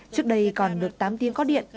trước đây còn được tám tiếng có điện